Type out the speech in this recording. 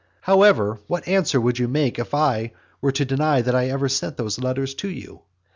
However what answer would you make if I were to deny that I ever sent those letters to you?